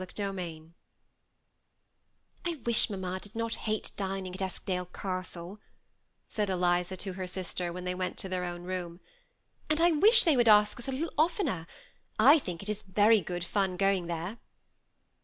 CHAPTER VL '^I WISH mamma did not hate dining at Eskdale Castle^" said Eliza to her sister when they went to their own room ;" and I wish they would ask us a little oft ener ; I think it is very good fun going there."